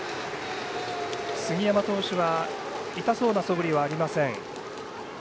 杉山投手は痛そうなそぶりはありません。